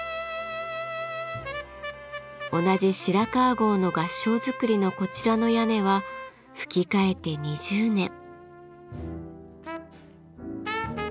同じ白川郷の合掌造りのこちらの屋根はふき替えて２０年。